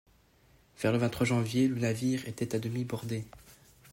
Vers le vingt-trois janvier, le navire était à demi bordé.